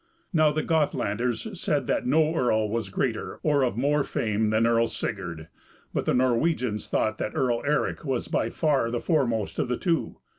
Now the Gothlanders said that no earl was greater or of more fame than Earl Sigurd; but the Norwegians thought that Earl Eric was by far the foremost of the two.